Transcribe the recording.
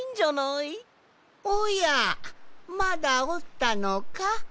おやまだおったのか？